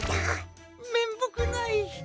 めんぼくない。